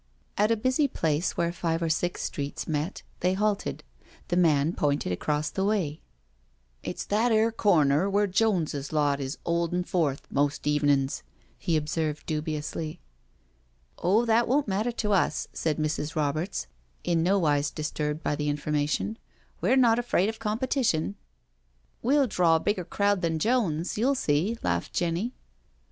*' At a busy place where five or six streets met, they halted. The man pointed across the way: " It's that 'ere corner wh6re Joneses lot is 'oldin' forth, most evenin's," he observed dubiously. " Oh, that won't matter to us/' said Mrs. Roberts, in nowise disturbed by the information: "we're not afraid of competition.'* " We'll draw a bigger crowd than Jones, you'll see," laughed Jenny.